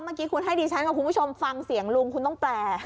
เมื่อกี้คุณให้ดิฉันกับคุณผู้ชมฟังเสียงลุงคุณต้องแปล